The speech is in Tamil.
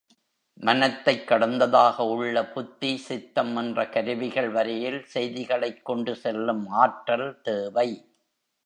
மனத்தைக் கடந்ததாக உள்ள புத்தி, சித்தம் என்ற கருவிகள் வரையில் செய்திகளைக் கொண்டு செல்லும் ஆற்றல் தேவை.